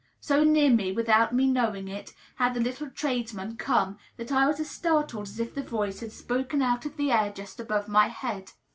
So near me, without my knowing it, had the little tradesman come that I was as startled as if the voice had spoken out of the air just above my head.